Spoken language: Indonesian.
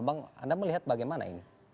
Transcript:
bang anda melihat bagaimana ini